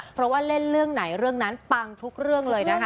เพราะว่าเล่นเรื่องไหนเรื่องนั้นปังทุกเรื่องเลยนะคะ